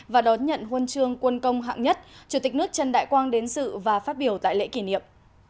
và đón nhận huân chương quân công hạng nhất chủ tịch nước trần đại quang đến sự và phát biểu tại lễ kỷ niệm